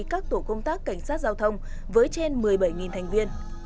các tổ công tác cảnh sát giao thông với trên một mươi bảy thành viên